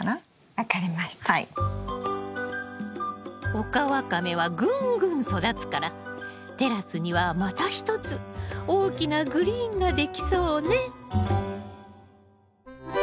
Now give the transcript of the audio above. オカワカメはぐんぐん育つからテラスにはまた一つ大きなグリーンができそうね。